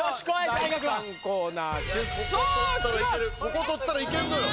ここ取ったらいけんのよ